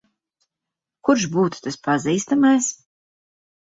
Kurš būtu tas pazīstamais?